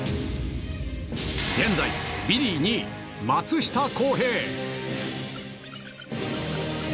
現在ビリ２位、松下洸平。